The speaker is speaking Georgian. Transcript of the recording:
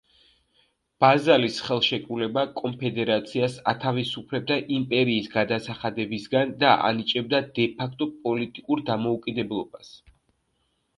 ბაზელის ხელშეკრულება კონფედერაციას ათავისუფლებდა იმპერიის გადასახადებისგან და ანიჭებდა დე-ფაქტო პოლიტიკურ დამოუკიდებლობას.